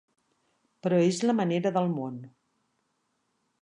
Però és la manera del món.